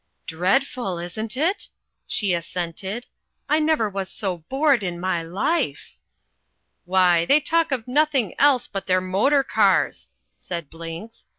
"Dreadful, isn't it?" she assented. "I never was so bored in my life." "Why, they talk of nothing else but their motor cars!" said Blinks.